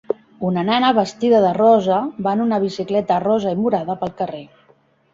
Una nena vestida de rosa va en una bicicleta rosa i morada pel carrer